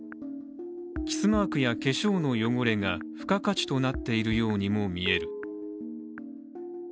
キスマークや化粧の汚れが付加価値となっているようにも見える。